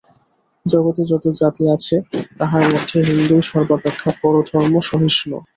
জগতে যত জাতি আছে, তাহার মধ্যে হিন্দুই সর্বাপেক্ষা পরধর্মসহিষ্ণু।